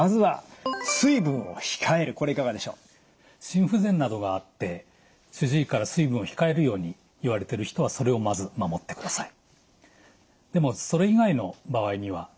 心不全などがあって主治医から水分を控えるように言われてる人はそれをまず守ってください。